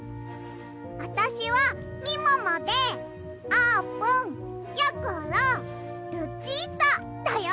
あたしはみももであーぷんやころルチータだよ！